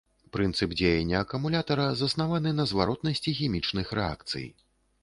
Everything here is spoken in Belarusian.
Прынцып дзеяння акумулятара заснаваны на зваротнасці хімічных рэакцый.